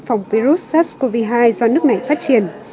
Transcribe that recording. phòng virus sars cov hai do nước này phát triển